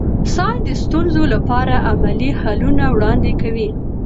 ساینس د ستونزو لپاره عملي حلونه وړاندې کوي.